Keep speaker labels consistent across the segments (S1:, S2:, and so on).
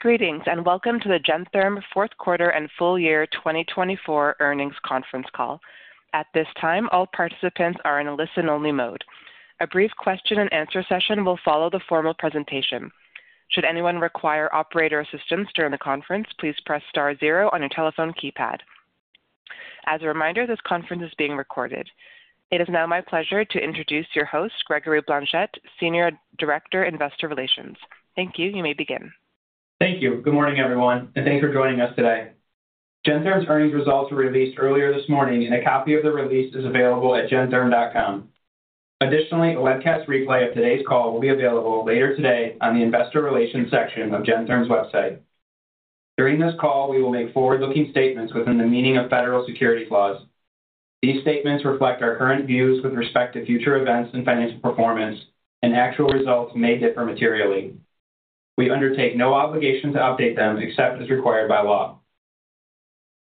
S1: Greetings and welcome to the Gentherm Fourth Quarter and Full Year 2024 Earnings Conference Call. At this time, all participants are in a listen-only mode. A brief question-and-answer session will follow the formal presentation. Should anyone require operator assistance during the conference, please press star zero on your telephone keypad. As a reminder, this conference is being recorded. It is now my pleasure to introduce your host, Gregory Blanchette, Senior Director, Investor Relations. Thank you. You may begin.
S2: Thank you. Good morning, everyone, and thanks for joining us today. Gentherm's earnings results were released earlier this morning, and a copy of the release is available at gentherm.com. Additionally, a webcast replay of today's call will be available later today on the Investor Relations section of Gentherm's website. During this call, we will make forward-looking statements within the meaning of federal securities laws. These statements reflect our current views with respect to future events and financial performance, and actual results may differ materially. We undertake no obligation to update them except as required by law.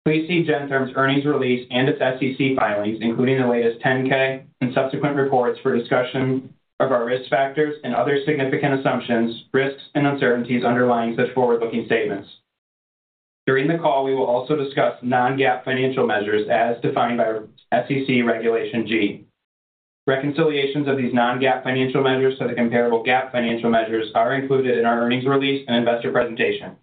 S2: Please see Gentherm's earnings release and its SEC filings, including the latest 10-K and subsequent reports for discussion of our risk factors and other significant assumptions, risks, and uncertainties underlying such forward-looking statements. During the call, we will also discuss non-GAAP financial measures as defined by SEC Regulation G. Reconciliations of these non-GAAP financial measures to the comparable GAAP financial measures are included in our earnings release and investor presentation.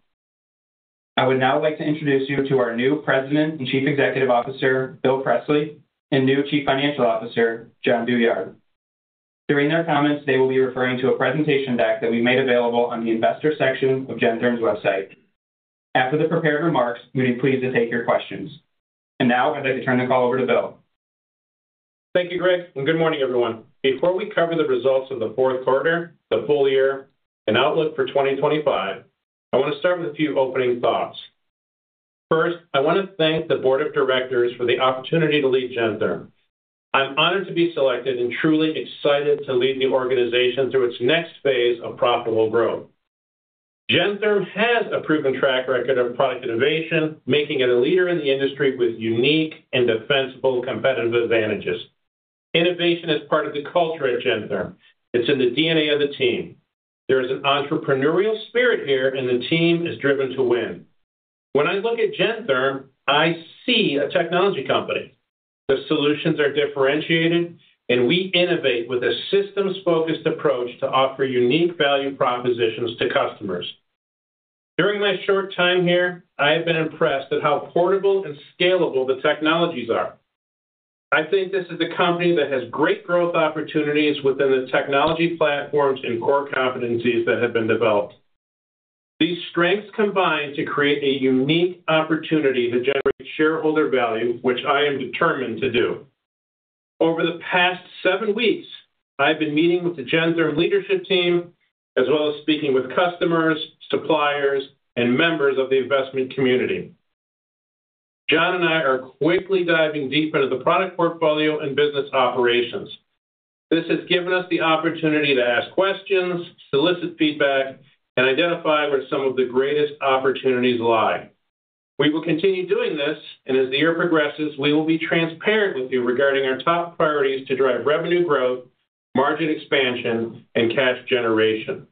S2: I would now like to introduce you to our new President and Chief Executive Officer, Bill Presley, and new Chief Financial Officer, Jon Douyard. During their comments, they will be referring to a presentation deck that we've made available on the Investor section of Gentherm's website. After the prepared remarks, we'd be pleased to take your questions. And now, I'd like to turn the call over to Bill.
S3: Thank you, Greg, and good morning, everyone. Before we cover the results of the fourth quarter, the full year, and outlook for 2025, I want to start with a few opening thoughts. First, I want to thank the Board of Directors for the opportunity to lead Gentherm. I'm honored to be selected and truly excited to lead the organization through its next phase of profitable growth. Gentherm has a proven track record of product innovation, making it a leader in the industry with unique and defensible competitive advantages. Innovation is part of the culture at Gentherm. It's in the DNA of the team. There is an entrepreneurial spirit here, and the team is driven to win. When I look at Gentherm, I see a technology company. The solutions are differentiated, and we innovate with a systems-focused approach to offer unique value propositions to customers. During my short time here, I have been impressed at how portable and scalable the technologies are. I think this is a company that has great growth opportunities within the technology platforms and core competencies that have been developed. These strengths combine to create a unique opportunity to generate shareholder value, which I am determined to do. Over the past seven weeks, I've been meeting with the Gentherm leadership team as well as speaking with customers, suppliers, and members of the investment community. Jon and I are quickly diving deep into the product portfolio and business operations. This has given us the opportunity to ask questions, solicit feedback, and identify where some of the greatest opportunities lie. We will continue doing this, and as the year progresses, we will be transparent with you regarding our top priorities to drive revenue growth, margin expansion, and cash generation.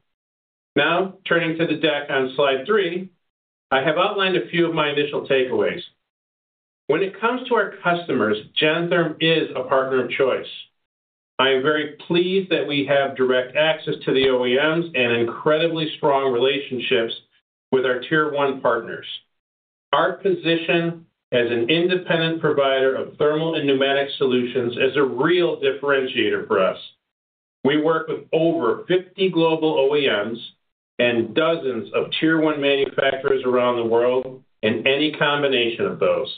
S3: Now, turning to the deck on slide three, I have outlined a few of my initial takeaways. When it comes to our customers, Gentherm is a partner of choice. I am very pleased that we have direct access to the OEMs and incredibly strong relationships with our Tier 1 partners. Our position as an independent provider of thermal and pneumatic solutions is a real differentiator for us. We work with over 50 global OEMs and dozens of Tier 1 manufacturers around the world and any combination of those.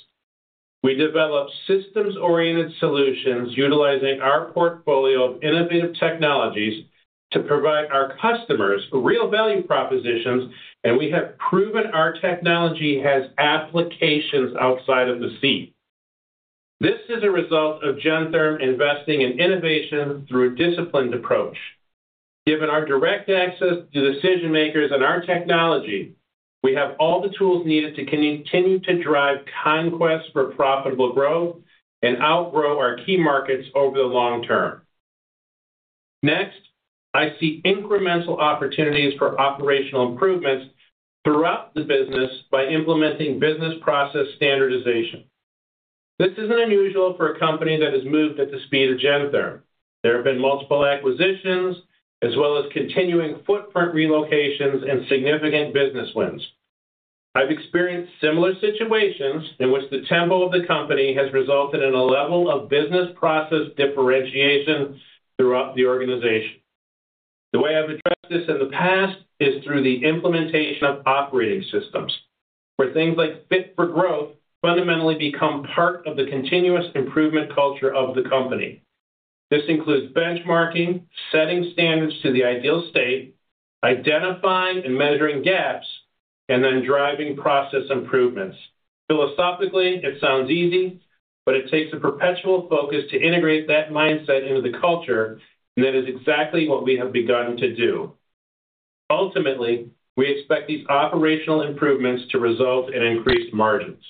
S3: We develop systems-oriented solutions utilizing our portfolio of innovative technologies to provide our customers real value propositions, and we have proven our technology has applications outside of the seat. This is a result of Gentherm investing in innovation through a disciplined approach. Given our direct access to decision-makers and our technology, we have all the tools needed to continue to drive conquest for profitable growth and outgrow our key markets over the long term. Next, I see incremental opportunities for operational improvements throughout the business by implementing business process standardization. This isn't unusual for a company that has moved at the speed of Gentherm. There have been multiple acquisitions as well as continuing footprint relocations and significant business wins. I've experienced similar situations in which the tempo of the company has resulted in a level of business process differentiation throughout the organization. The way I've addressed this in the past is through the implementation of operating systems, where things like Fit for Growth fundamentally become part of the continuous improvement culture of the company. This includes benchmarking, setting standards to the ideal state, identifying and measuring gaps, and then driving process improvements. Philosophically, it sounds easy, but it takes a perpetual focus to integrate that mindset into the culture, and that is exactly what we have begun to do. Ultimately, we expect these operational improvements to result in increased margins.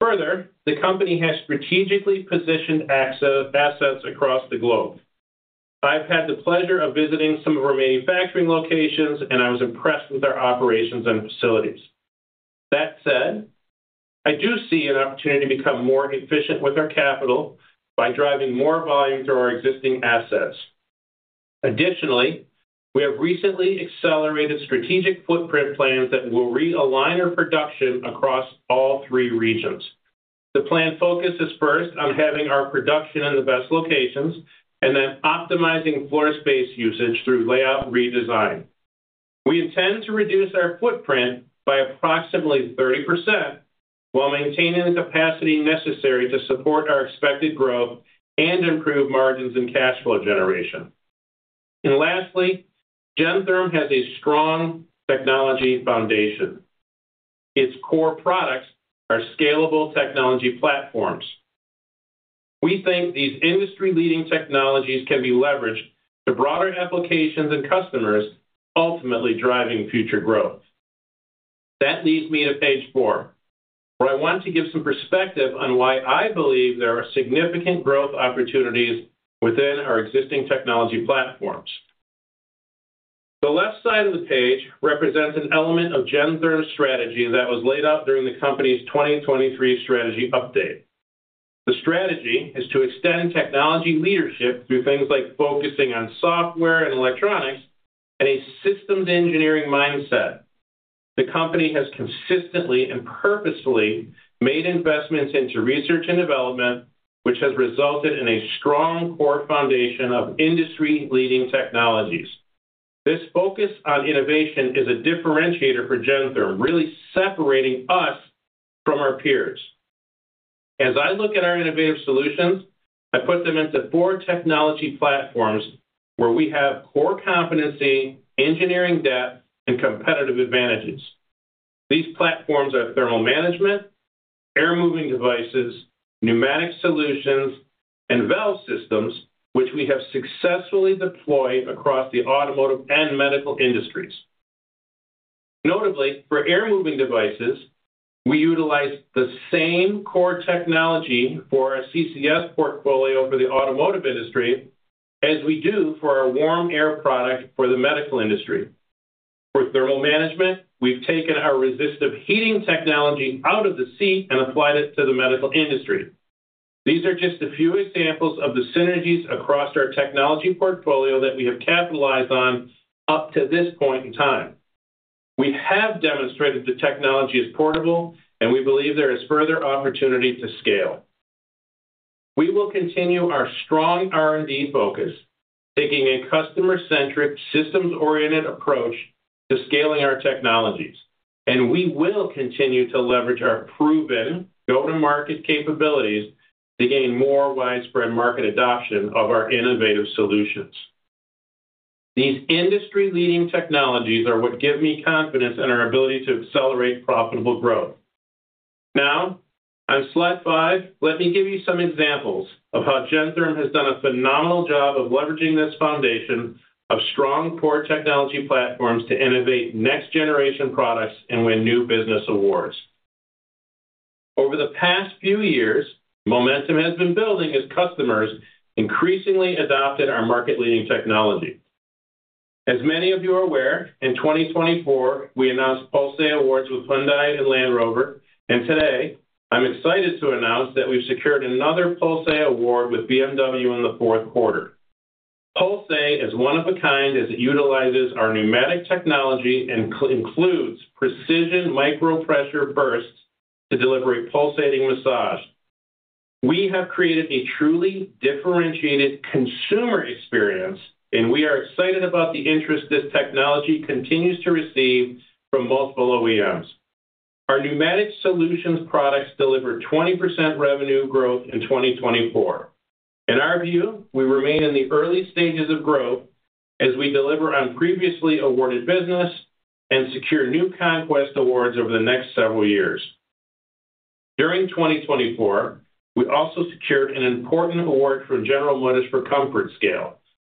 S3: Further, the company has strategically positioned assets across the globe. I've had the pleasure of visiting some of our manufacturing locations, and I was impressed with our operations and facilities. That said, I do see an opportunity to become more efficient with our capital by driving more volume through our existing assets. Additionally, we have recently accelerated strategic footprint plans that will realign our production across all three regions. The plan focuses first on having our production in the best locations and then optimizing floor space usage through layout redesign. We intend to reduce our footprint by approximately 30% while maintaining the capacity necessary to support our expected growth and improve margins and cash flow generation. And lastly, Gentherm has a strong technology foundation. Its core products are scalable technology platforms. We think these industry-leading technologies can be leveraged to broader applications and customers, ultimately driving future growth. That leads me to page four, where I want to give some perspective on why I believe there are significant growth opportunities within our existing technology platforms. The left side of the page represents an element of Gentherm's strategy that was laid out during the company's 2023 strategy update. The strategy is to extend technology leadership through things like focusing on software and electronics and a systems engineering mindset. The company has consistently and purposefully made investments into research and development, which has resulted in a strong core foundation of industry-leading technologies. This focus on innovation is a differentiator for Gentherm, really separating us from our peers. As I look at our innovative solutions, I put them into four technology platforms where we have core competency, engineering depth, and competitive advantages. These platforms are thermal management, air-moving devices, pneumatic solutions, and valve systems, which we have successfully deployed across the automotive and medical industries. Notably, for air-moving devices, we utilize the same core technology for our CCS portfolio for the automotive industry as we do for our WarmAir product for the medical industry. For thermal management, we've taken our resistive heating technology out of the seat and applied it to the medical industry. These are just a few examples of the synergies across our technology portfolio that we have capitalized on up to this point in time. We have demonstrated the technology is portable, and we believe there is further opportunity to scale. We will continue our strong R&D focus, taking a customer-centric, systems-oriented approach to scaling our technologies, and we will continue to leverage our proven go-to-market capabilities to gain more widespread market adoption of our innovative solutions. These industry-leading technologies are what give me confidence in our ability to accelerate profitable growth. Now, on slide five, let me give you some examples of how Gentherm has done a phenomenal job of leveraging this foundation of strong core technology platforms to innovate next-generation products and win new business awards. Over the past few years, momentum has been building as customers increasingly adopted our market-leading technology. As many of you are aware, in 2024, we announced Pulse-A Awards with Hyundai and Land Rover, and today, I'm excited to announce that we've secured another Pulse-A Award with BMW in the fourth quarter. Pulse-A is one of a kind as it utilizes our pneumatic technology and includes precision micro-pressure bursts to deliver a pulsating massage. We have created a truly differentiated consumer experience, and we are excited about the interest this technology continues to receive from multiple OEMs. Our pneumatic solutions products deliver 20% revenue growth in 2024. In our view, we remain in the early stages of growth as we deliver on previously awarded business and secure new conquest awards over the next several years. During 2024, we also secured an important award from General Motors for ComfortScale,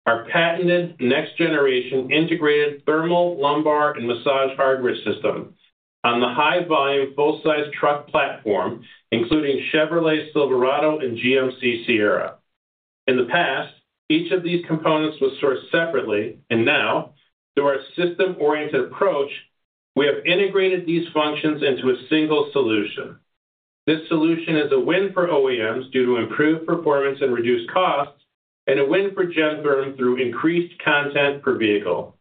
S3: our patented next-generation integrated thermal, lumbar, and massage hardware system on the high-volume full-size truck platform, including Chevrolet Silverado and GMC Sierra. In the past, each of these components was sourced separately, and now, through our system-oriented approach, we have integrated these functions into a single solution. This solution is a win for OEMs due to improved performance and reduced costs, and a win for Gentherm through increased content per vehicle.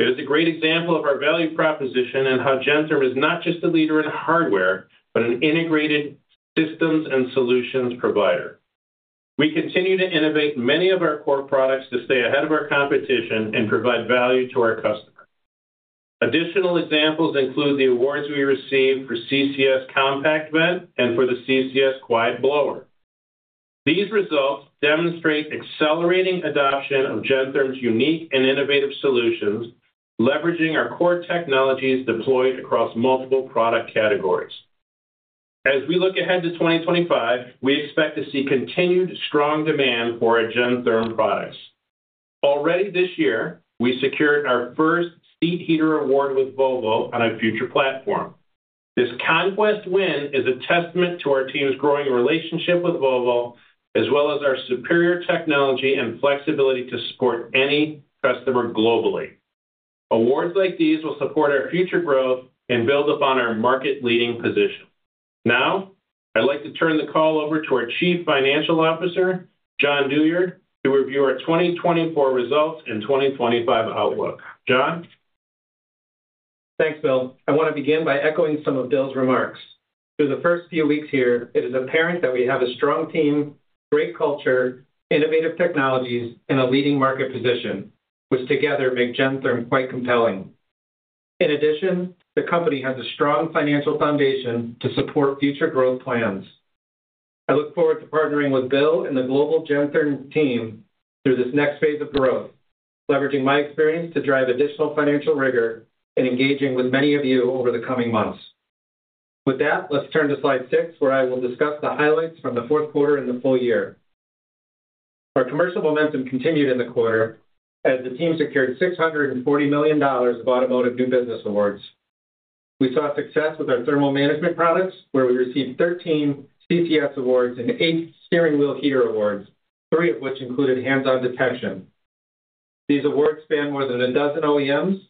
S3: It is a great example of our value proposition and how Gentherm is not just a leader in hardware, but an integrated systems and solutions provider. We continue to innovate many of our core products to stay ahead of our competition and provide value to our customers. Additional examples include the awards we received for CCS Compact Vent and for the CCS Quiet Blower. These results demonstrate accelerating adoption of Gentherm's unique and innovative solutions, leveraging our core technologies deployed across multiple product categories. As we look ahead to 2025, we expect to see continued strong demand for our Gentherm products. Already this year, we secured our first seat heater award with Volvo on a future platform. This conquest win is a testament to our team's growing relationship with Volvo, as well as our superior technology and flexibility to support any customer globally. Awards like these will support our future growth and build upon our market-leading position. Now, I'd like to turn the call over to our Chief Financial Officer, Jon Douyard, to review our 2024 results and 2025 outlook. Jon? Thanks, Bill. I want to begin by echoing some of Bill's remarks.
S4: Through the first few weeks here, it is apparent that we have a strong team, great culture, innovative technologies, and a leading market position, which together make Gentherm quite compelling. In addition, the company has a strong financial foundation to support future growth plans. I look forward to partnering with Bill and the global Gentherm team through this next phase of growth, leveraging my experience to drive additional financial rigor and engaging with many of you over the coming months. With that, let's turn to slide six, where I will discuss the highlights from the fourth quarter and the full year. Our commercial momentum continued in the quarter as the team secured $640 million of automotive new business awards. We saw success with our thermal management products, where we received 13 CCS awards and 8 steering wheel heater awards, three of which included Hands-On Detection. These awards spanned more than a dozen OEMs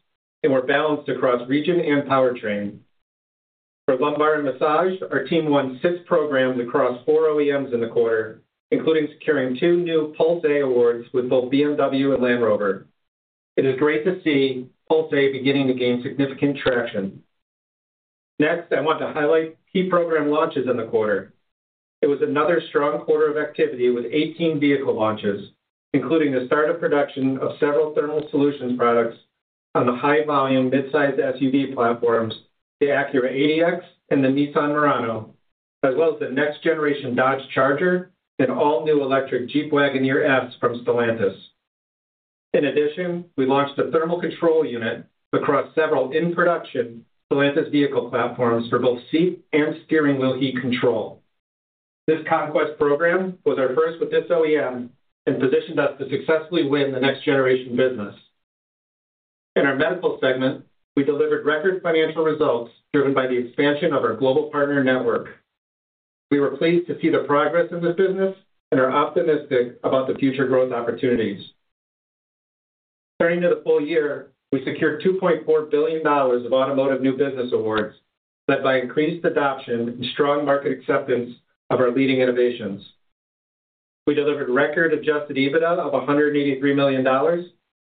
S4: and were balanced across regions and powertrain. For lumbar and massage, our team won six programs across four OEMs in the quarter, including securing two new Pulse-A awards with both BMW and Land Rover. It is great to see Pulse-A beginning to gain significant traction. Next, I want to highlight key program launches in the quarter. It was another strong quarter of activity with 18 vehicle launches, including the start of production of several thermal solutions products on the high-volume midsize SUV platforms, the Acura ADX and the Nissan Murano, as well as the next-generation Dodge Charger and all-new electric Jeep Wagoneer S from Stellantis. In addition, we launched a thermal control unit across several in-production Stellantis vehicle platforms for both seat and steering wheel heat control. This conquest program was our first with this OEM and positioned us to successfully win the next-generation business. In our medical segment, we delivered record financial results driven by the expansion of our global partner network. We were pleased to see the progress in this business and are optimistic about the future growth opportunities. Turning to the full year, we secured $2.4 billion of automotive new business awards led by increased adoption and strong market acceptance of our leading innovations. We delivered record adjusted EBITDA of $183 million and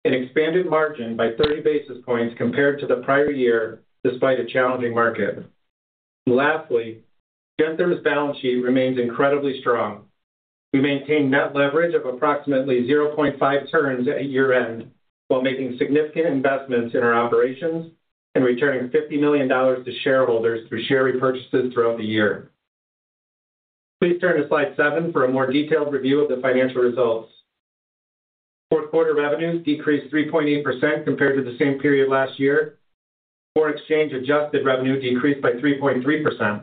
S4: expanded margin by 30 basis points compared to the prior year despite a challenging market. Lastly, Gentherm's balance sheet remains incredibly strong. We maintain net leverage of approximately 0.5 turns at year-end while making significant investments in our operations and returning $50 million to shareholders through share repurchases throughout the year. Please turn to slide seven for a more detailed review of the financial results. Fourth-quarter revenues decreased 3.8% compared to the same period last year. FX exchange-adjusted revenue decreased by 3.3%.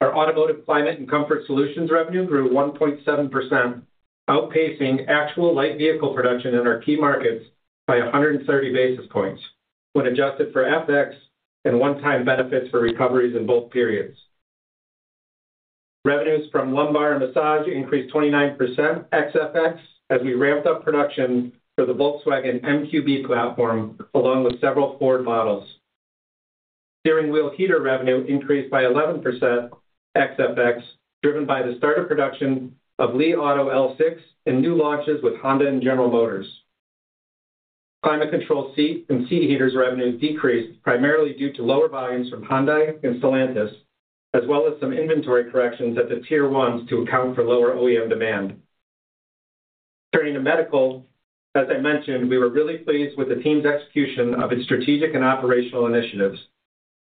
S4: Our Automotive Climate and Comfort Solutions revenue grew 1.7%, outpacing actual light vehicle production in our key markets by 130 basis points when adjusted for FX and one-time benefits for recoveries in both periods. Revenues from lumbar and massage increased 29% FX as we ramped up production for the Volkswagen MQB platform along with several Ford models. Steering wheel heater revenue increased by 11% FX driven by the start of production of Li Auto L6 and new launches with Honda and General Motors. Climate Control Seat and seat heaters revenues decreased primarily due to lower volumes from Hyundai and Stellantis, as well as some inventory corrections at the tier ones to account for lower OEM demand. Turning to medical, as I mentioned, we were really pleased with the team's execution of its strategic and operational initiatives.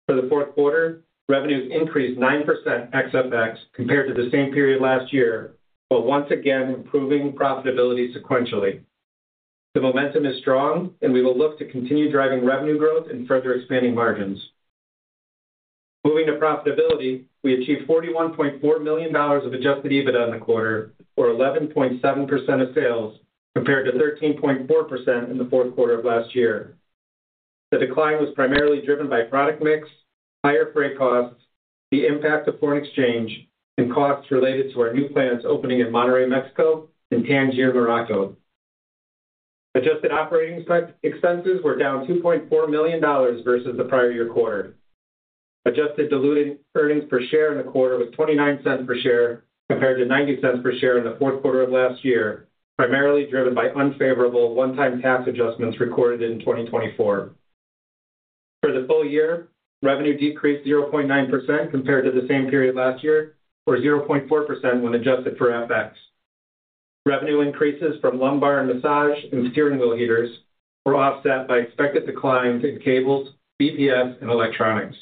S4: For the fourth quarter, revenues increased 9% ex-FX compared to the same period last year, while once again improving profitability sequentially. The momentum is strong, and we will look to continue driving revenue growth and further expanding margins. Moving to profitability, we achieved $41.4 million of Adjusted EBITDA in the quarter, or 11.7% of sales, compared to 13.4% in the fourth quarter of last year. The decline was primarily driven by product mix, higher freight costs, the impact of foreign exchange, and costs related to our new plants opening in Monterrey, Mexico, and Tangier, Morocco. Adjusted operating expenses were down $2.4 million versus the prior year quarter. Adjusted diluted earnings per share in the quarter was $0.29 per share compared to $0.90 per share in the fourth quarter of last year, primarily driven by unfavorable one-time tax adjustments recorded in 2024. For the full year, revenue decreased 0.9% compared to the same period last year, or 0.4% when adjusted for FX. Revenue increases from lumbar and massage and steering wheel heaters were offset by expected declines in cables, BPS, and electronics.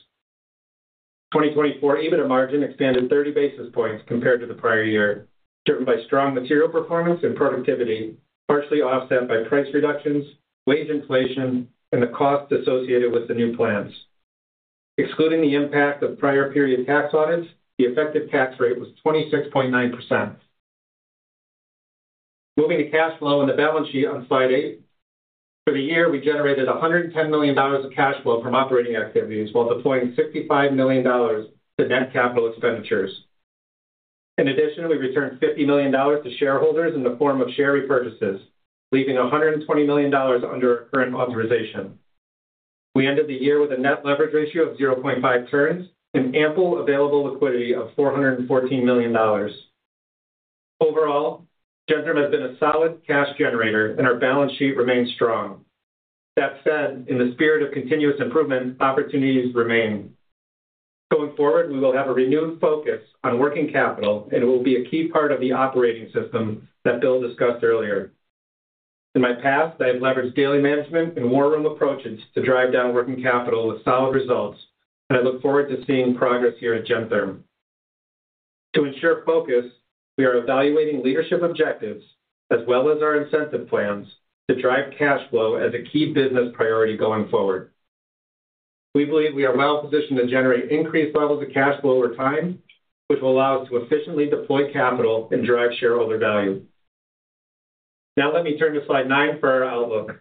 S4: 2024 EBITDA margin expanded 30 basis points compared to the prior year, driven by strong material performance and productivity, partially offset by price reductions, wage inflation, and the costs associated with the new plants. Excluding the impact of prior period tax audits, the effective tax rate was 26.9%. Moving to cash flow and the balance sheet on slide eight. For the year, we generated $110 million of cash flow from operating activities while deploying $65 million to net capital expenditures. In addition, we returned $50 million to shareholders in the form of share repurchases, leaving $120 million under our current authorization. We ended the year with a net leverage ratio of 0.5 turns and ample available liquidity of $414 million. Overall, Gentherm has been a solid cash generator, and our balance sheet remains strong. That said, in the spirit of continuous improvement, opportunities remain. Going forward, we will have a renewed focus on working capital, and it will be a key part of the operating system that Bill discussed earlier. In my past, I have leveraged daily management and war room approaches to drive down working capital with solid results, and I look forward to seeing progress here at Gentherm. To ensure focus, we are evaluating leadership objectives as well as our incentive plans to drive cash flow as a key business priority going forward. We believe we are well positioned to generate increased levels of cash flow over time, which will allow us to efficiently deploy capital and drive shareholder value. Now, let me turn to slide nine for our outlook.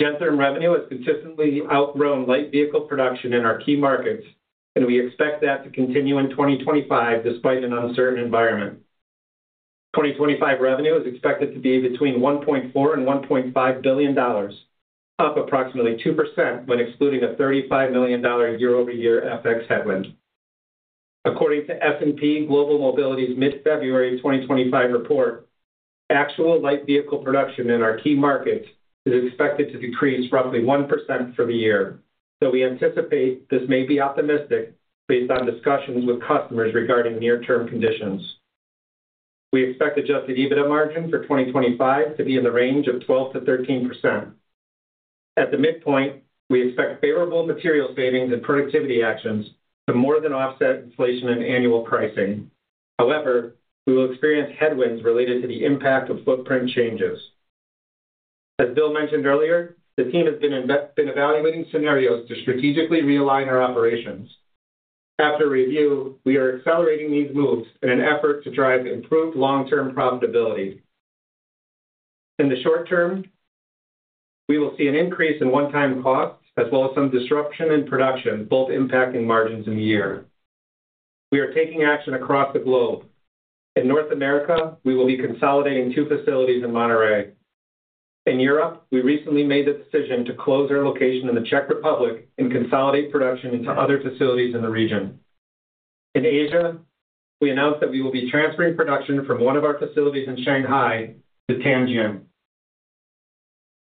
S4: Gentherm revenue has consistently outgrown light vehicle production in our key markets, and we expect that to continue in 2025 despite an uncertain environment. 2025 revenue is expected to be between $1.4-$1.5 billion, up approximately 2% when excluding a $35 million year-over-year FX headwind. According to S&P Global Mobility's mid-February 2025 report, actual light vehicle production in our key markets is expected to decrease roughly 1% for the year, though we anticipate this may be optimistic based on discussions with customers regarding near-term conditions. We expect adjusted EBITDA margin for 2025 to be in the range of 12%-13%. At the midpoint, we expect favorable material savings and productivity actions to more than offset inflation and annual pricing. However, we will experience headwinds related to the impact of footprint changes. As Bill mentioned earlier, the team has been evaluating scenarios to strategically realign our operations. After review, we are accelerating these moves in an effort to drive improved long-term profitability. In the short term, we will see an increase in one-time costs as well as some disruption in production, both impacting margins in the year. We are taking action across the globe. In North America, we will be consolidating two facilities in Monterrey. In Europe, we recently made the decision to close our location in the Czech Republic and consolidate production into other facilities in the region. In Asia, we announced that we will be transferring production from one of our facilities in Shanghai to Tangier.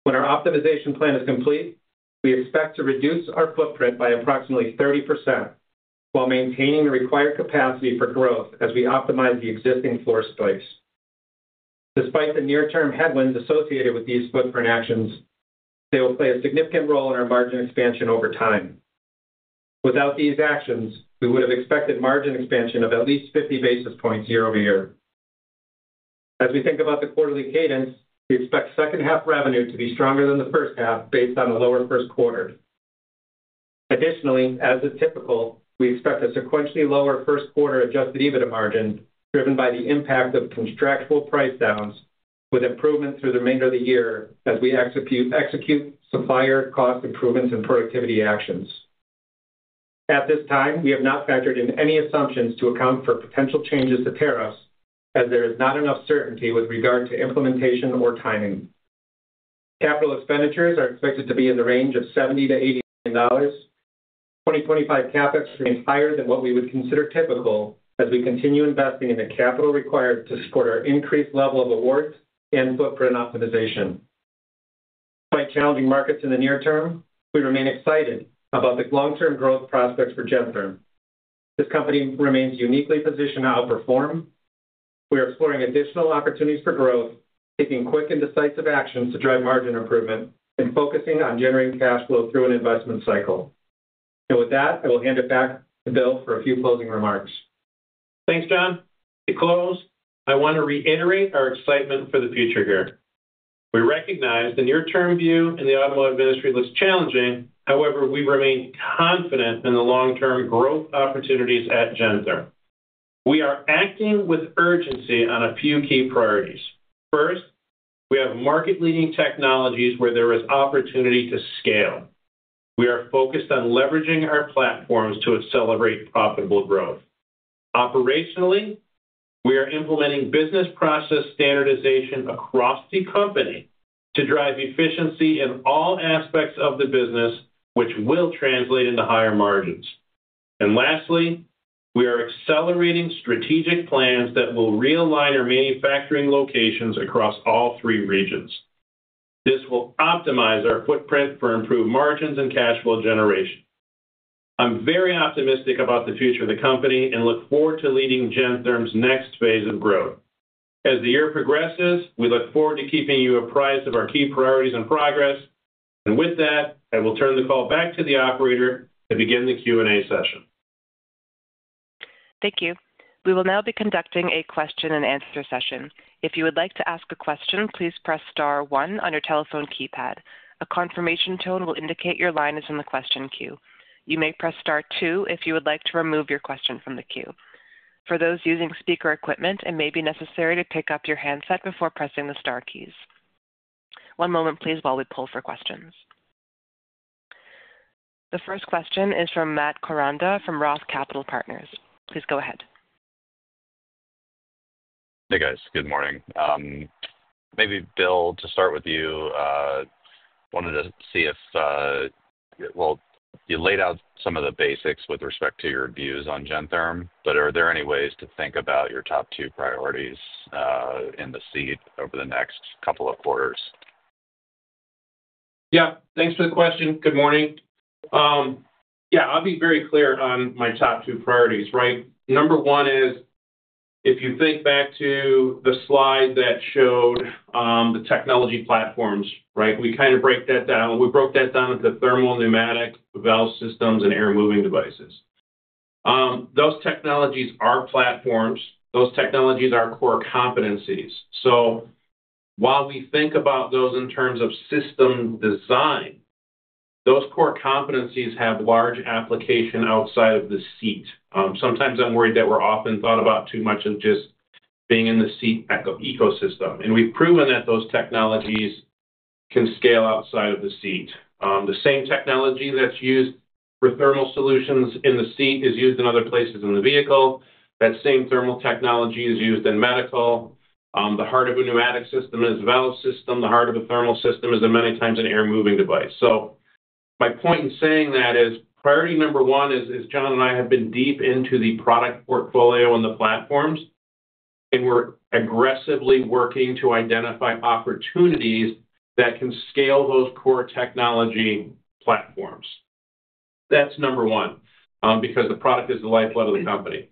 S4: When our optimization plan is complete, we expect to reduce our footprint by approximately 30% while maintaining the required capacity for growth as we optimize the existing floor space. Despite the near-term headwinds associated with these footprint actions, they will play a significant role in our margin expansion over time. Without these actions, we would have expected margin expansion of at least 50 basis points year-over-year. As we think about the quarterly cadence, we expect second-half revenue to be stronger than the first half based on the lower first quarter. Additionally, as is typical, we expect a sequentially lower first quarter Adjusted EBITDA margin driven by the impact of contractual price downs with improvement through the remainder of the year as we execute supplier cost improvements and productivity actions. At this time, we have not factored in any assumptions to account for potential changes to tariffs, as there is not enough certainty with regard to implementation or timing. Capital expenditures are expected to be in the range of $70 million-$80 million. 2025 CapEx remains higher than what we would consider typical as we continue investing in the capital required to support our increased level of awards and footprint optimization. Despite challenging markets in the near term, we remain excited about the long-term growth prospects for Gentherm. This company remains uniquely positioned to outperform. We are exploring additional opportunities for growth, taking quick and decisive actions to drive margin improvement and focusing on generating cash flow through an investment cycle. And with that, I will hand it back to Bill for a few closing remarks.
S3: Thanks, John. To close, I want to reiterate our excitement for the future here. We recognize the near-term view in the automotive industry looks challenging. However, we remain confident in the long-term growth opportunities at Gentherm. We are acting with urgency on a few key priorities. First, we have market-leading technologies where there is opportunity to scale. We are focused on leveraging our platforms to accelerate profitable growth. Operationally, we are implementing business process standardization across the company to drive efficiency in all aspects of the business, which will translate into higher margins. And lastly, we are accelerating strategic plans that will realign our manufacturing locations across all three regions. This will optimize our footprint for improved margins and cash flow generation. I'm very optimistic about the future of the company and look forward to leading Gentherm's next phase of growth. As the year progresses, we look forward to keeping you apprised of our key priorities and progress. And with that, I will turn the call back to the operator to begin the Q&A session. Thank you. We will now be conducting a question-and-answer session. If you would like to ask a question, please press star one on your telephone keypad. A confirmation tone will indicate your line is in the question queue. You may press star two if you would like to remove your question from the queue. For those using speaker equipment, it may be necessary to pick up your handset before pressing the star keys. One moment, please, while we pull for questions. The first question is from Matt Koranda from Roth Capital Partners. Please go ahead.
S5: Hey, guys. Good morning. Maybe, Bill, to start with you, I wanted to see if, well, you laid out some of the basics with respect to your views on Gentherm, but are there any ways to think about your top two priorities in the seat over the next couple of quarters? Yeah. Thanks for the question. Good morning. Yeah, I'll be very clear on my top two priorities, right? Number one is, if you think back to the slide that showed the technology platforms, right, we kind of break that down. We broke that down into thermal, pneumatic, valve systems, and air-moving devices. Those technologies are platforms. Those technologies are core competencies. So while we think about those in terms of system design, those core competencies have large applications outside of the seat. Sometimes I'm worried that we're often thought about too much as just being in the seat ecosystem.
S3: We've proven that those technologies can scale outside of the seat. The same technology that's used for thermal solutions in the seat is used in other places in the vehicle. That same thermal technology is used in medical. The heart of a pneumatic system is a valve system. The heart of a thermal system is, many times, an air-moving device, so my point in saying that is, priority number one is, as Jon and I have been deep into the product portfolio and the platforms, and we're aggressively working to identify opportunities that can scale those core technology platforms. That's number one because the product is the lifeblood of the company.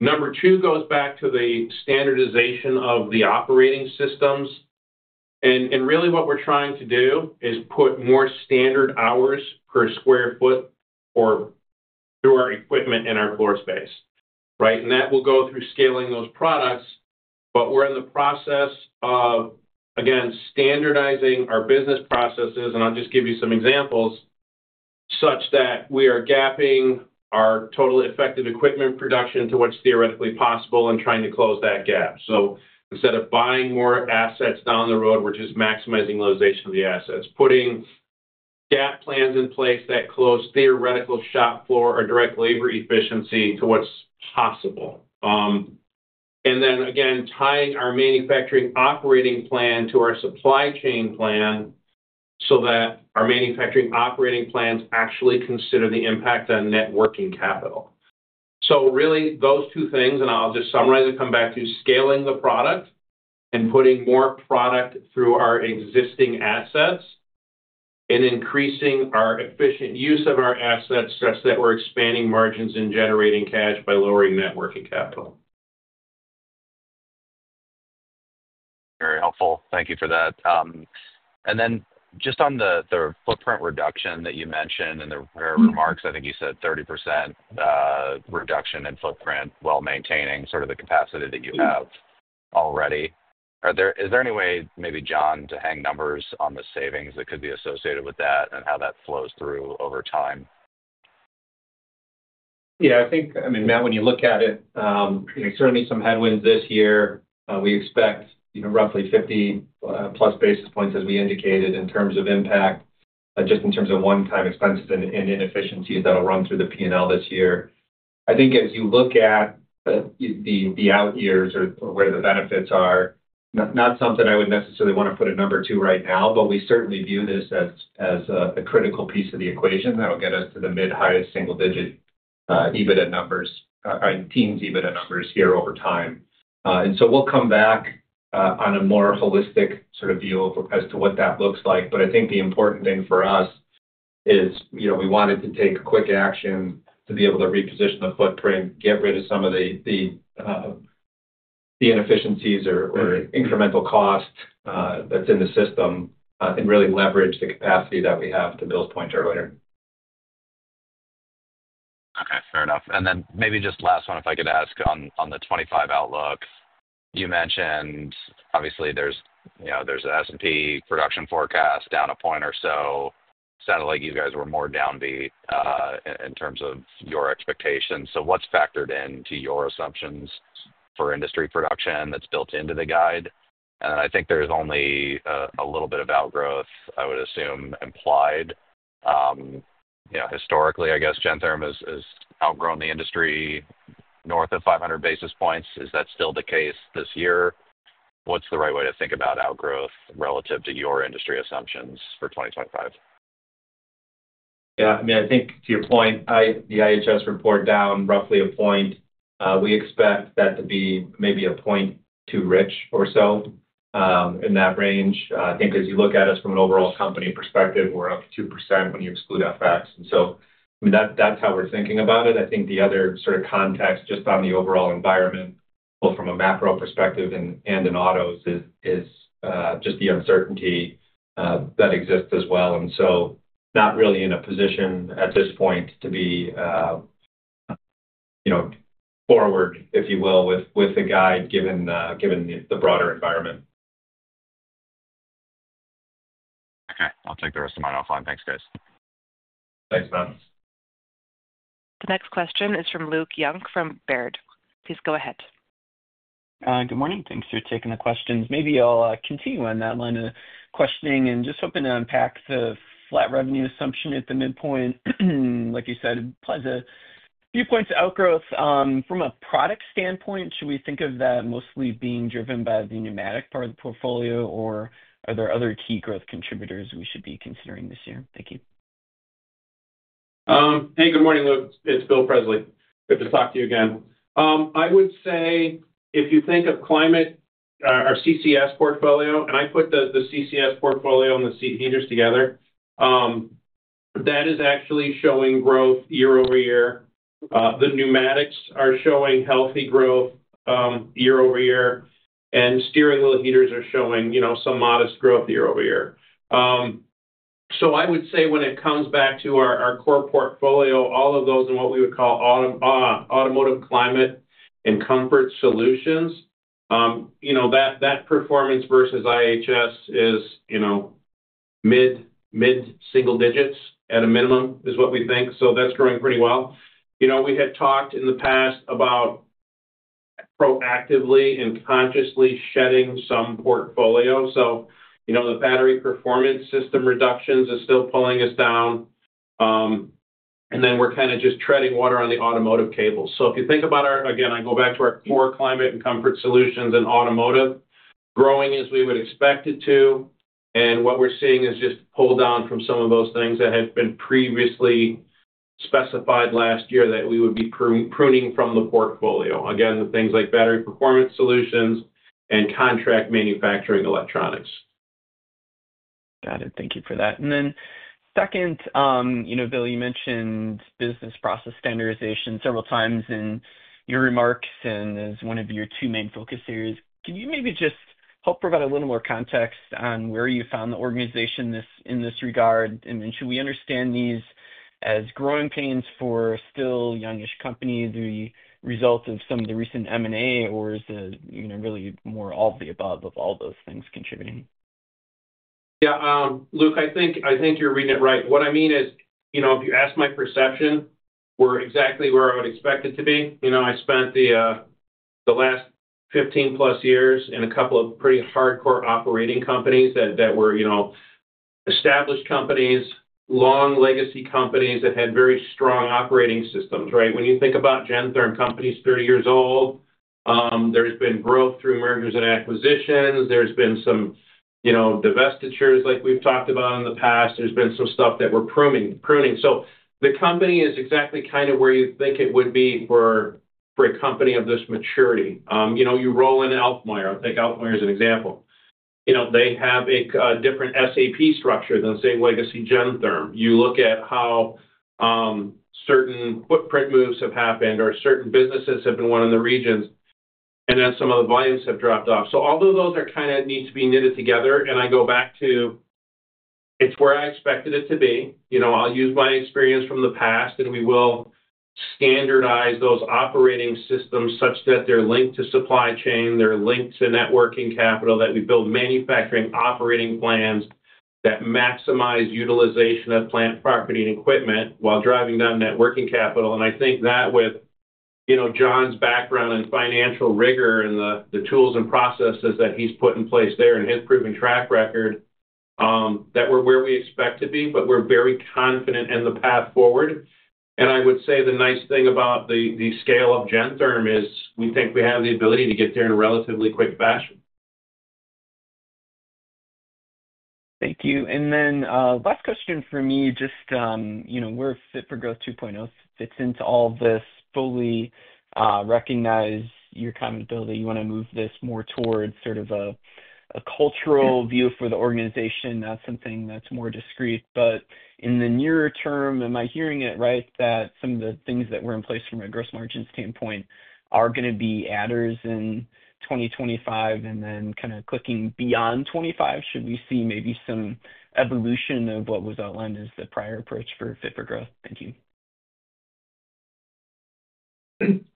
S3: Number two goes back to the standardization of the operating systems. Really, what we're trying to do is put more standard hours per sq ft through our equipment and our floor space, right? That will go through scaling those products, but we're in the process of, again, standardizing our business processes. I'll just give you some examples such that we are gapping our total effective equipment production to what's theoretically possible and trying to close that gap. Instead of buying more assets down the road, we're just maximizing utilization of the assets, putting gap plans in place that close theoretical shop floor or direct labor efficiency to what's possible. Then, again, tying our manufacturing operating plan to our supply chain plan so that our manufacturing operating plans actually consider the impact on working capital. Really, those two things, and I'll just summarize and come back to scaling the product and putting more product through our existing assets and increasing our efficient use of our assets such that we're expanding margins and generating cash by lowering working capital.
S5: Very helpful. Thank you for that. And then just on the footprint reduction that you mentioned and the remarks, I think you said 30% reduction in footprint while maintaining sort of the capacity that you have already. Is there any way, maybe, Jon, to hang numbers on the savings that could be associated with that and how that flows through over time?
S3: Yeah. I think, I mean, Matt, when you look at it, certainly some headwinds this year. We expect roughly 50-plus basis points, as we indicated, in terms of impact, just in terms of one-time expenses and inefficiencies that will run through the P&L this year. I think as you look at the out years or where the benefits are, not something I would necessarily want to put a number to right now, but we certainly view this as a critical piece of the equation that will get us to the mid-highest single-digit EBITDA numbers and teens EBITDA numbers here over time, and so we'll come back on a more holistic sort of view as to what that looks like. But I think the important thing for us is we wanted to take quick action to be able to reposition the footprint, get rid of some of the inefficiencies or incremental costs that's in the system, and really leverage the capacity that we have to Bill's point earlier.
S5: Okay. Fair enough. And then maybe just last one, if I could ask, on the 2025 outlook, you mentioned, obviously, there's an S&P production forecast down a point or so. Sounded like you guys were more downbeat in terms of your expectations. So what's factored into your assumptions for industry production that's built into the guide? And I think there's only a little bit of outgrowth, I would assume, implied. Historically, I guess, Gentherm has outgrown the industry north of 500 basis points. Is that still the case this year? What's the right way to think about outgrowth relative to your industry assumptions for 2025?
S3: Yeah. I mean, I think to your point, the IHS report down roughly a point, we expect that to be maybe a point too rich or so in that range. I think as you look at us from an overall company perspective, we're up 2% when you exclude FX. And so, I mean, that's how we're thinking about it. I think the other sort of context just on the overall environment, both from a macro perspective and in autos, is just the uncertainty that exists as well. And so not really in a position at this point to be forward, if you will, with the guide given the broader environment.
S5: Okay. I'll take the rest of mine offline. Thanks, guys.
S3: Thanks, Matt.
S1: The next question is from Luke Junk from Baird. Please go ahead.
S6: Good morning. Thanks for taking the questions. Maybe I'll continue on that line of questioning and just hoping to unpack the flat revenue assumption at the midpoint. Like you said, it implies a few points of outgrowth. From a product standpoint, should we think of that mostly being driven by the pneumatic part of the portfolio, or are there other key growth contributors we should be considering this year? Thank you.
S3: Hey, good morning, Luke. It's Bill Presley. Good to talk to you again. I would say if you think of our CCS portfolio, and I put the CCS portfolio and the seat heaters together, that is actually showing growth year over year. The pneumatics are showing healthy growth year over year, and steering wheel heaters are showing some modest growth year over year. So I would say when it comes back to our core portfolio, all of those in what we would call Automotive Climate and Comfort Solutions, that performance versus IHS is mid-single digits at a minimum is what we think. So that's growing pretty well. We had talked in the past about proactively and consciously shedding some portfolio. So the Battery Performance Solutions reductions are still pulling us down. And then we're kind of just treading water on the automotive cable. So if you think about our, again, I go back to our core climate and comfort solutions in automotive, growing as we would expect it to. And what we're seeing is just a pull down from some of those things that had been previously specified last year that we would be pruning from the portfolio. Again, things like battery performance solutions and contract manufacturing electronics.
S6: Got it. Thank you for that. And then second, Bill, you mentioned business process standardization several times in your remarks and as one of your two main focus areas. Can you maybe just help provide a little more context on where you found the organization in this regard? Should we understand these as growing pains for still youngish companies as a result of some of the recent M&A, or is it really more all of the above of all those things contributing?
S4: Yeah. Luke, I think you're reading it right. What I mean is, if you ask my perception, we're exactly where I would expect it to be. I spent the last 15-plus years in a couple of pretty hardcore operating companies that were established companies, long legacy companies that had very strong operating systems, right? When you think about Gentherm company is 30 years old, there's been growth through mergers and acquisitions. There's been some divestitures like we've talked about in the past. There's been some stuff that we're pruning. So the company is exactly kind of where you think it would be for a company of this maturity. You roll in all the M&A. I'll take Alfmeier as an example. They have a different SAP structure than, say, legacy Gentherm. You look at how certain footprint moves have happened or certain businesses have been won in the regions, and then some of the volumes have dropped off. So although those kind of need to be knitted together, and I go back to it's where I expected it to be. I'll use my experience from the past, and we will standardize those operating systems such that they're linked to supply chain. They're linked to net working capital that we build manufacturing operating plans that maximize utilization of plant property and equipment while driving down net working capital. I think that with Jon's background and financial rigor and the tools and processes that he's put in place there and his proven track record, that we're where we expect to be, but we're very confident in the path forward. And I would say the nice thing about the scale of Gentherm is we think we have the ability to get there in a relatively quick fashion.
S6: Thank you. And then last question for me, just where Fit for Growth 2.0 fits into all of this. I fully recognize your accountability. You want to move this more towards sort of a cultural view for the organization. That's something that's more discreet. But in the near term, am I hearing it right that some of the things that were in place from a gross margin standpoint are going to be adders in 2025 and then kind of clicking beyond '25? Should we see maybe some evolution of what was outlined as the prior approach for Fit for Growth? Thank you.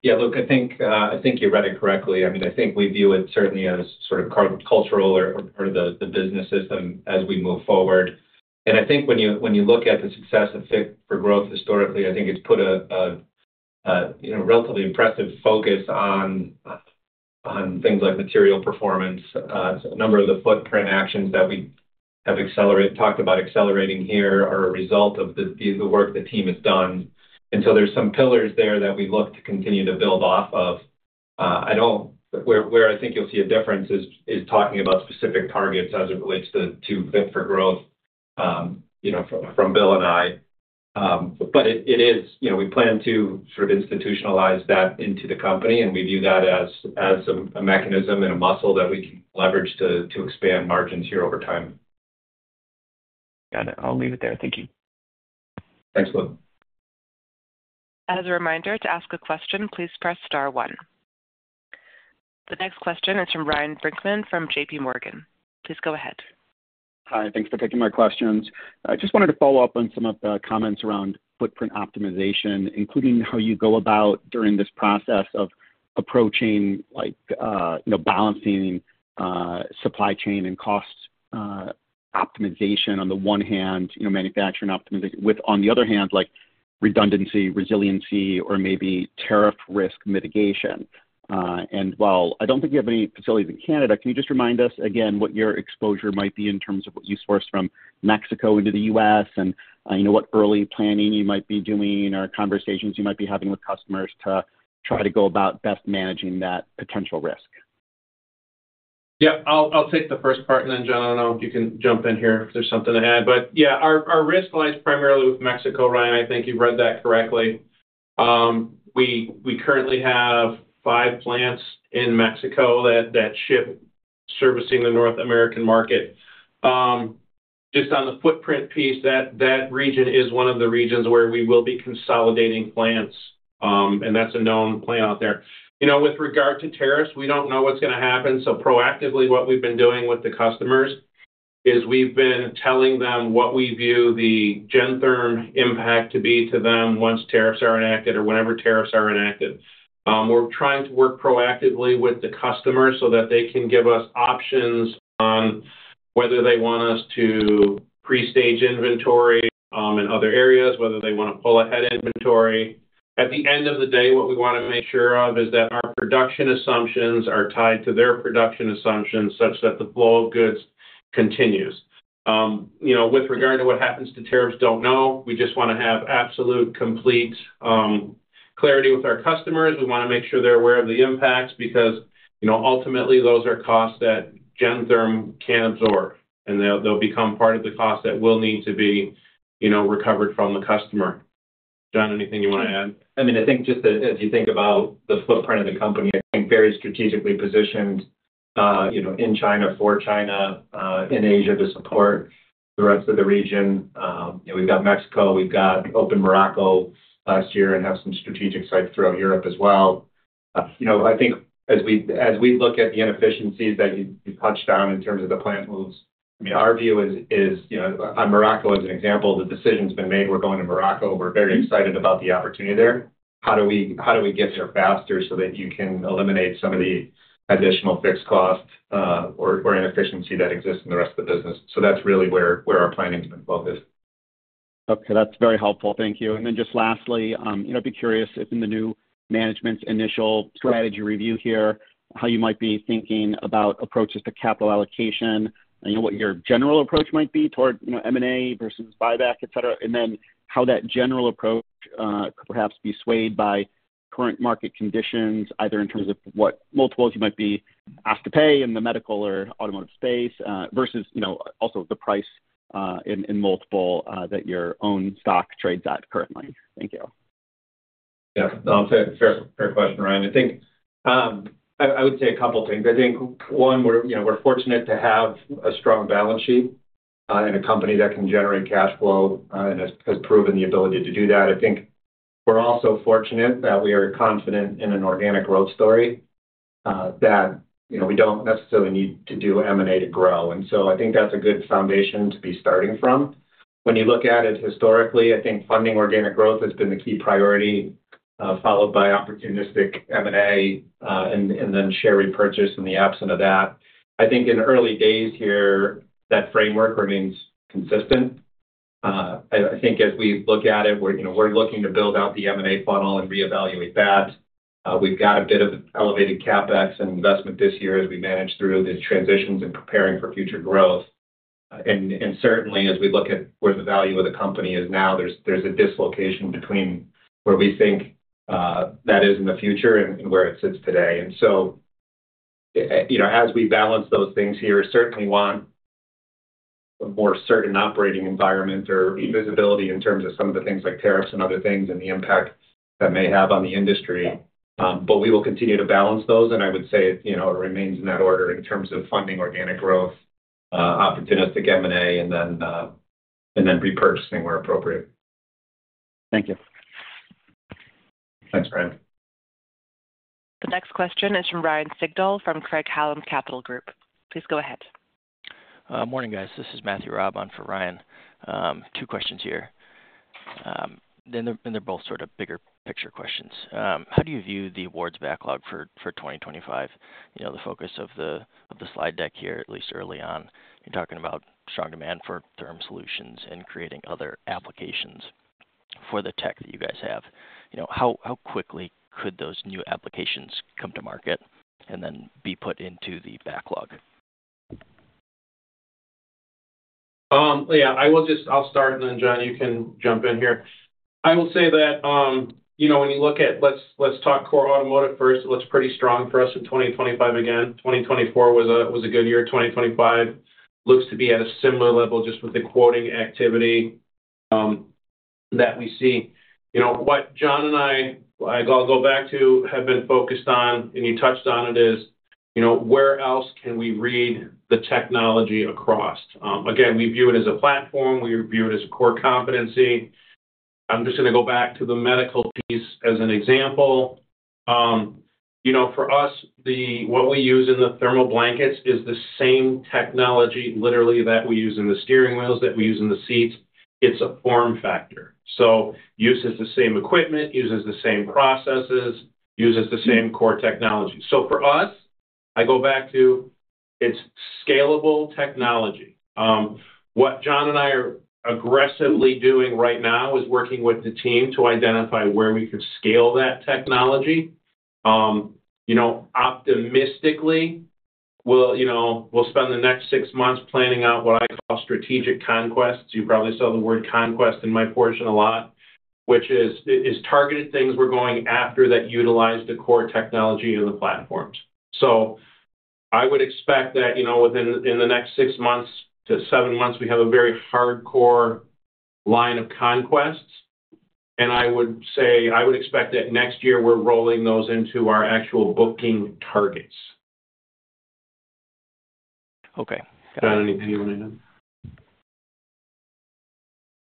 S4: Yeah, Luke, I think you read it correctly. I mean, I think we view it certainly as sort of cultural or part of the business system as we move forward, and I think when you look at the success of Fit for Growth historically, I think it's put a relatively impressive focus on things like material performance. A number of the footprint actions that we have talked about accelerating here are a result of the work the team has done, and so there's some pillars there that we look to continue to build off of. Where I think you'll see a difference is talking about specific targets as it relates to Fit for Growth from Bill and I. But it is we plan to sort of institutionalize that into the company, and we view that as a mechanism and a muscle that we can leverage to expand margins here over time.
S6: Got it. I'll leave it there. Thank you.
S4: Thanks, Luke.
S1: As a reminder, to ask a question, please press star one. The next question is from Ryan Brinkman from JPMorgan. Please go ahead.
S7: Hi. Thanks for taking my questions. I just wanted to follow up on some of the comments around footprint optimization, including how you go about during this process of approaching balancing supply chain and cost optimization on the one hand, manufacturing optimization with, on the other hand, redundancy, resiliency, or maybe tariff risk mitigation. While I don't think you have any facilities in Canada, can you just remind us again what your exposure might be in terms of what you source from Mexico into the U.S. and what early planning you might be doing or conversations you might be having with customers to try to go about best managing that potential risk?
S3: Yeah. I'll take the first part, and then, Jon, I don't know if you can jump in here if there's something to add. But yeah, our risk lies primarily with Mexico, Ryan. I think you've read that correctly. We currently have five plants in Mexico that ship servicing the North American market. Just on the footprint piece, that region is one of the regions where we will be consolidating plants, and that's a known plant out there. With regard to tariffs, we don't know what's going to happen. So proactively, what we've been doing with the customers is we've been telling them what we view the Gentherm impact to be to them once tariffs are enacted or whenever tariffs are enacted. We're trying to work proactively with the customers so that they can give us options on whether they want us to pre-stage inventory in other areas, whether they want to pull ahead inventory. At the end of the day, what we want to make sure of is that our production assumptions are tied to their production assumptions such that the flow of goods continues. With regard to what happens to tariffs, don't know. We just want to have absolute complete clarity with our customers. We want to make sure they're aware of the impacts because ultimately, those are costs that Gentherm can absorb, and they'll become part of the cost that will need to be recovered from the customer. Jon, anything you want to add?
S4: I mean, I think just as you think about the footprint of the company, I think very strategically positioned in China for China in Asia to support the rest of the region. We've got Mexico. We've got one in Morocco last year and have some strategic sites throughout Europe as well. I think as we look at the inefficiencies that you touched on in terms of the plant moves, I mean, our view is on Morocco as an example, the decision's been made. We're going to Morocco. We're very excited about the opportunity there. How do we get there faster so that you can eliminate some of the additional fixed cost or inefficiency that exists in the rest of the business? So that's really where our planning's been focused.
S7: Okay. That's very helpful. Thank you. And then just lastly, I'd be curious if in the new management's initial strategy review here, how you might be thinking about approaches to capital allocation, what your general approach might be toward M&A versus buyback, etc., and then how that general approach could perhaps be swayed by current market conditions, either in terms of what multiples you might be asked to pay in the medical or automotive space versus also the price in multiple that your own stock trades at currently. Thank you.
S3: Yeah. Fair question, Ryan. I think I would say a couple of things. I think one, we're fortunate to have a strong balance sheet in a company that can generate cash flow and has proven the ability to do that. I think we're also fortunate that we are confident in an organic growth story that we don't necessarily need to do M&A to grow. And so I think that's a good foundation to be starting from. When you look at it historically, I think funding organic growth has been the key priority, followed by opportunistic M&A and then share repurchase in the absence of that. I think in early days here, that framework remains consistent. I think as we look at it, we're looking to build out the M&A funnel and reevaluate that. We've got a bit of elevated CapEx and investment this year as we manage through the transitions and preparing for future growth. And certainly, as we look at where the value of the company is now, there's a dislocation between where we think that is in the future and where it sits today. And so as we balance those things here, certainly want a more certain operating environment or visibility in terms of some of the things like tariffs and other things and the impact that may have on the industry. But we will continue to balance those, and I would say it remains in that order in terms of funding organic growth, opportunistic M&A, and then repurchasing where appropriate. Thank you. Thanks, Ryan.
S1: The next question is from Ryan Sigdahl from Craig-Hallum Capital Group. Please go ahead. Morning, guys. This is Matthew Robb on for Ryan. Two questions here. And they're both sort of bigger picture questions. How do you view the awards backlog for 2025? The focus of the slide deck here, at least early on, you're talking about strong demand for thermal solutions and creating other applications for the tech that you guys have. How quickly could those new applications come to market and then be put into the backlog?
S3: Yeah. I'll start, and then, Jon, you can jump in here. I will say that when you look at, let's talk core automotive first, it looks pretty strong for us in 2025 again. 2024 was a good year. 2025 looks to be at a similar level just with the quoting activity that we see. What Jon and I, I'll go back to, have been focused on, and you touched on it, is where else can we leverage the technology across? Again, we view it as a platform. We view it as a core competency. I'm just going to go back to the medical piece as an example. For us, what we use in the thermal blankets is the same technology, literally, that we use in the steering wheels, that we use in the seats. It's a form factor. So uses the same equipment, uses the same processes, uses the same core technology. So for us, I go back to it's scalable technology. What Jon and I are aggressively doing right now is working with the team to identify where we can scale that technology. Optimistically, we'll spend the next six months planning out what I call strategic conquests. You probably saw the word conquest in my portion a lot, which is targeted things we're going after that utilize the core technology of the platforms. So I would expect that within the next six months to seven months, we have a very hardcore line of conquests. And I would say I would expect that next year, we're rolling those into our actual booking targets. Okay. Got it. Jon, anything you want to add?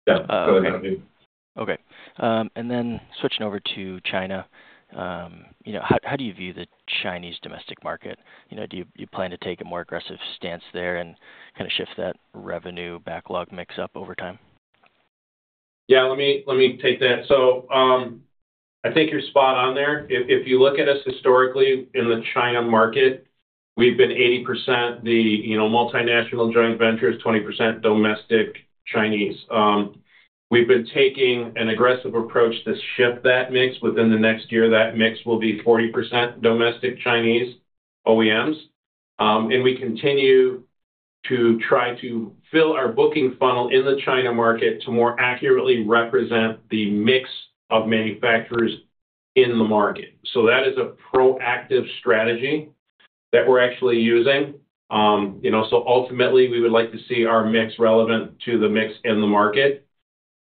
S3: Yeah. Go ahead. Okay. And then switching over to China, how do you view the Chinese domestic market? Do you plan to take a more aggressive stance there and kind of shift that revenue backlog mix up over time?
S4: Yeah. Let me take that. So I think you're spot on there. If you look at us historically in the China market, we've been 80% the multinational joint ventures, 20% domestic Chinese. We've been taking an aggressive approach to shift that mix. Within the next year, that mix will be 40% domestic Chinese OEMs. And we continue to try to fill our booking funnel in the China market to more accurately represent the mix of manufacturers in the market. So that is a proactive strategy that we're actually using. So ultimately, we would like to see our mix relevant to the mix in the market.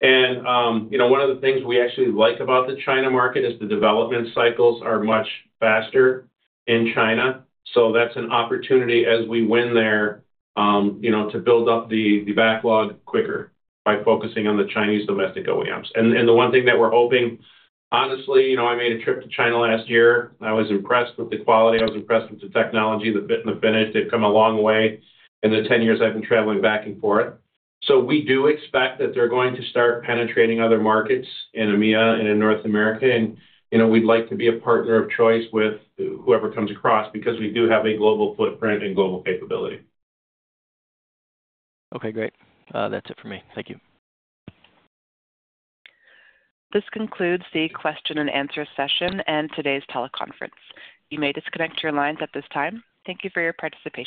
S4: And one of the things we actually like about the China market is the development cycles are much faster in China. So that's an opportunity as we win there to build up the backlog quicker by focusing on the Chinese domestic OEMs. And the one thing that we're hoping, honestly. I made a trip to China last year. I was impressed with the quality. I was impressed with the technology, the fit and finish. They've come a long way in the 10 years I've been traveling back and forth. So we do expect that they're going to start penetrating other markets in EMEA and in North America. And we'd like to be a partner of choice with whoever comes across because we do have a global footprint and global capability. Okay. Great. That's it for me. Thank you.
S1: This concludes the question and answer session and today's teleconference. You may disconnect your lines at this time. Thank you for your participation.